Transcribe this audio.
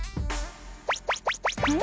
うん？